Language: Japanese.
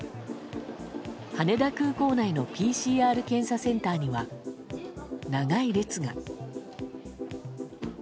羽田空港内のＰＣＲ検査センターには長い列が。